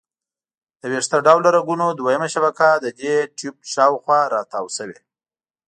د ویښته ډوله رګونو دویمه شبکه د دې ټیوب شاوخوا را تاو شوي.